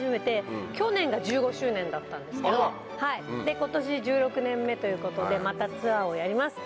今年１６年目ということでまたツアーをやります。